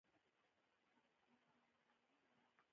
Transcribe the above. دوی لرغوني ځایونه د عاید سرچینه ګڼي.